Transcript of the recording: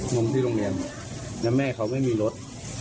งมที่โรงเรียนแล้วแม่เขาไม่มีรถ